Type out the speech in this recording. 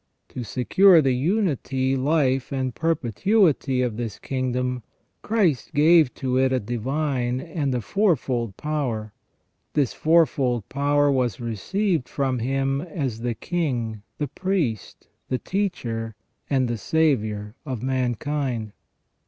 To secure the unity, life, and perpetuity of this kingdom, Christ gave to it a divine and a fourfold power. This fourfold power was received from Him as the King, the Priest, the Teacher, and the Saviour of mankind.